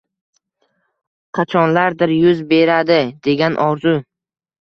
“qachonlardir yuz beradi” – degan orzu.